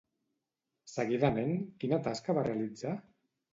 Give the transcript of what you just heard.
Seguidament quina tasca va realitzar?